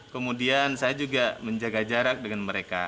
kemudian saya juga menjaga jarak dengan mereka